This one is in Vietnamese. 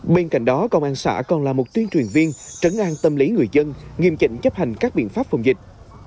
bên cạnh đó công an xã còn là một tuyên truyền viên trấn an tâm lý người dân nghiêm chỉnh chấp hành các biện pháp phòng dịch